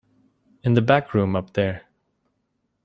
In the back room up there.